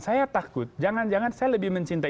saya takut jangan jangan saya lebih mencintai